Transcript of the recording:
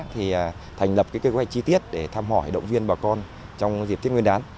thì thành lập cái quy hoạch chi tiết để tham hỏi động viên bà con trong dịp tết nguyên đán